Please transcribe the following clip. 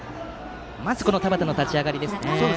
まず田端の立ち上がりですね。